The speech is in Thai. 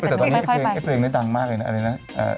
แต่ตอนนี้เพลงแค่เพลงนี้ดังมากเลยนะอันนี้นะ